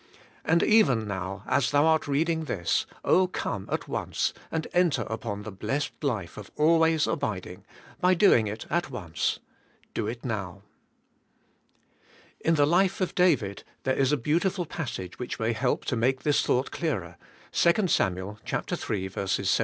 And even now, as thou art reading this, come at once, and enter upon the blessed life of always abiding, by doing it at once: do it now. In the life of David there is a beautiful passage which may help to make this thought clearer {2 Sam. in.